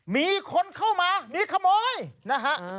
มีคนเข้ามามีขโมยนะฮะ